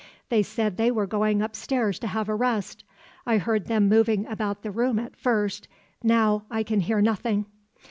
They said they were going upstairs to have a rest. I heard them moving about the room at first, now I can hear nothing.